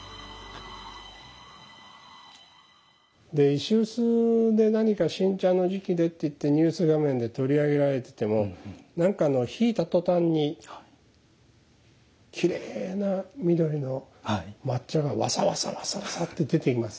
石臼で何か新茶の時期でっていってニュース画面で取り上げられてても何かあのひいた途端にきれいな緑の抹茶がわさわさわさわさって出てきますでしょ。